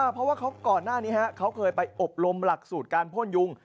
เพราะว่าก่อนหน้านี้เขาเคยไปอบรมหลักสูตรการพ่นยุง